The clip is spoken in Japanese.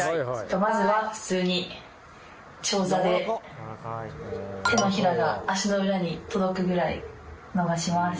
まずは普通に長座で手のひらが足の裏に届くぐらい伸ばします。